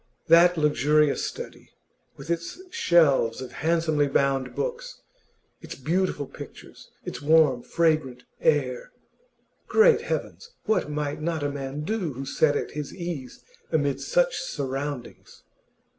That luxurious study, with its shelves of handsomely bound books, its beautiful pictures, its warm, fragrant air great heavens! what might not a man do who sat at his ease amid such surroundings!